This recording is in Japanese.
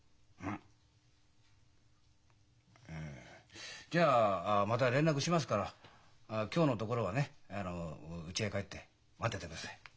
あじゃあまた連絡しますから今日のところはねうちへ帰って待っててください。